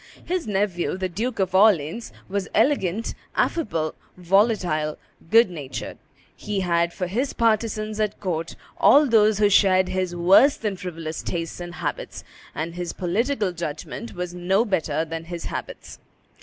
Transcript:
His nephew, the Duke of Orleans, was elegant, affable, volatile, good natured; he had for his partisans at court all those who shared his worse than frivolous tastes and habits; and his political judgment was no better than his habits.